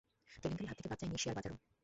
কেলেঙ্কারির হাত থেকে বাদ যায়নি শেয়ারবাজারও।